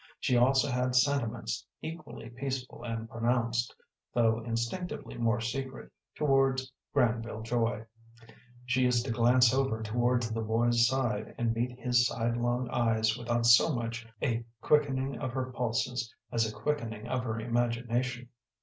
She also had sentiments equally peaceful and pronounced, though instinctively more secret, towards Granville Joy. She used to glance over towards the boys' side and meet his side long eyes without so much a quickening of her pulses as a quickening of her imagination.